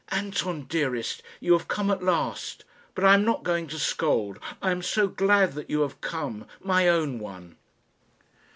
"Anton, dearest, you have come at last. But I am not going to scold. I am so glad that you have come, my own one!"